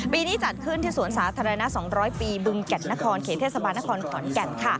นี้จัดขึ้นที่สวนสาธารณะ๒๐๐ปีบึงแก่นนครเขตเทศบาลนครขอนแก่น